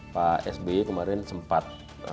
pak sby kemarin sempat